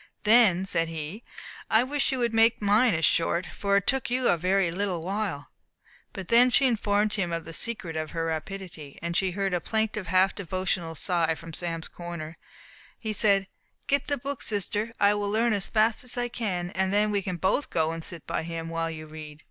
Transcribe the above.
"Then," said he, "I wish you would make mine as short, for it took you a very little while." But when she informed him of the secret of her rapidity, and he heard a plaintive, half devotional sigh from Sam's corner, he said, "Get the book, sister; I will learn as fast as I can, and then we can both go and sit by him, while you read."